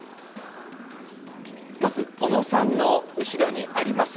まず小野さんの後ろにあります